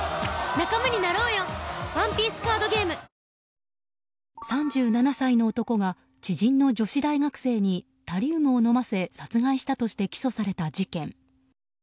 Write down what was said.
あふっ３７歳の男が知人の女子大学生にタリウムを飲ませ殺害したとして起訴された事件。